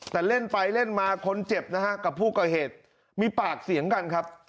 แต่เล่นไปเล่นมาคนเจ็บนะฮะกับผู้ก่อเหตุมีปากเสียงกันครับ